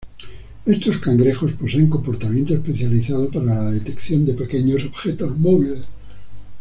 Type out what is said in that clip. Estos cangrejos poseen comportamiento especializado para la detección de pequeños objetos móviles.